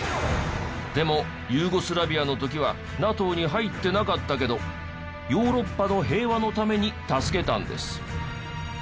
でもユーゴスラビアの時はＮＡＴＯに入ってなかったけどヨーロッパの平和のために助けたんです。